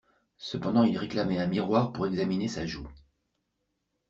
Cependant il réclamait un miroir pour examiner sa joue.